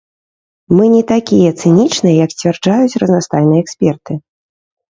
Мы не такія цынічныя, як сцвярджаюць разнастайныя эксперты.